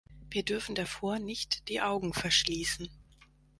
Wir dürfen davor nicht die Augen verschließen.